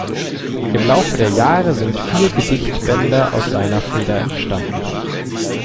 Im Laufe der Jahre sind vier Gedichtbände aus seiner Feder entstanden.